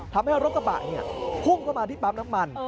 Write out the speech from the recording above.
ทำให้รถกระบะพุ่งเข้ามาที่ปั๊มน้ำมัน